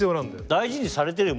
大事にされてるよ